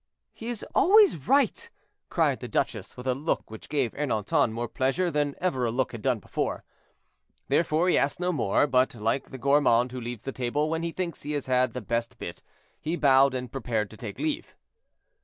"He is always right," cried the duchess, with a look which gave Ernanton more pleasure than ever a look had done before. Therefore he asked no more, but like the gourmand who leaves the table when he thinks he has had the best bit, he bowed, and prepared to take leave.